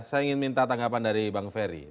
saya ingin minta tanggapan dari bang ferry